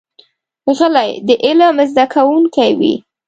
غلی، د علم زده کوونکی وي.